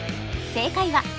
正解は